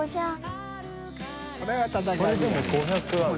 これでも５００ある。